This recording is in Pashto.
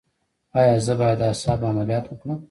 ایا زه باید د اعصابو عملیات وکړم؟